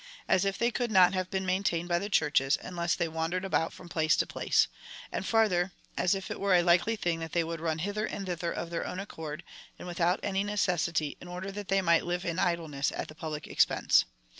As if they could not have CHAP. IX. 8 FIRST EPISTLE TO THE CORINTHIANS. 293 been maintained by tlic Clmrches, unless tliey wandered about from place to place ; and farther, as if it were a likely tiling that they would run hither and thither of their own accord, and without any necessity, in order that they might live in idleness at the public expense